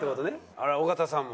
あら尾形さんも。